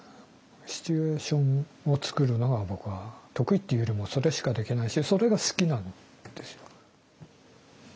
シチュエーションを作るのが僕は得意っていうよりもそれしかできないしそれが好きなんですよ。